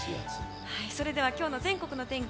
それでは今日の全国の天気